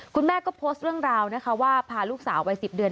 คุณแม่ก็โพสต์เรื่องราวนะคะว่าพาลูกสาววัย๑๐เดือน